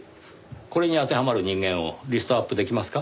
これに当てはまる人間をリストアップできますか？